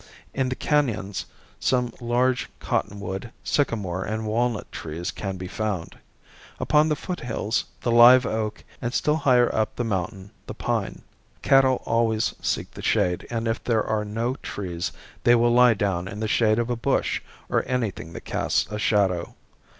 In the canons some large cottonwood, sycamore and walnut trees can be found; upon the foot hills the live oak and still higher up the mountain the pine. Cattle always seek the shade and if there are no trees they will lie down in the shade of a bush or anything that casts a shadow.